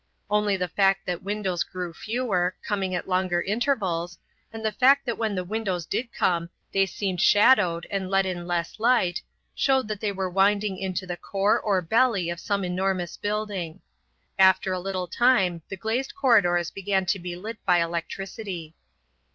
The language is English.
Only the fact that windows grew fewer, coming at longer intervals, and the fact that when the windows did come they seemed shadowed and let in less light, showed that they were winding into the core or belly of some enormous building. After a little time the glazed corridors began to be lit by electricity.